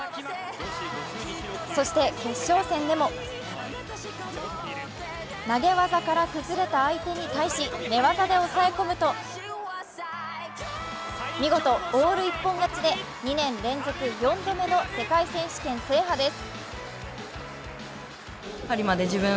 そして決勝戦でも、投げ技から崩れた相手に対し寝技で抑え込むと見事オール一本勝ちで２年連続４度目の世界選手権制覇です。